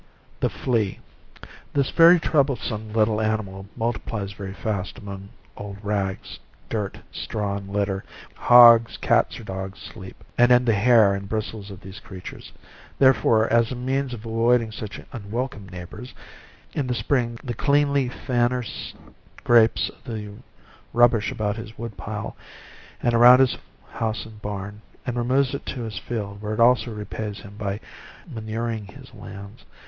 * 1 Cotcper. 6 FLEA. This very troublesome little animal multiplies very fast among old rags, dirt, straw, and litter, where hogs, cats or dogs sleep ; and in the hair and bris tles of those creatures ; there fore, as a means of avoiding such unwelcome neighbors, in the spring the cleanly fanner scrapes up the rubbish about his wood pile, and around his house and barn, and removes it into his field, where it also repays him by manuring his lands.